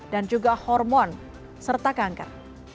dan juga hormon serta kanker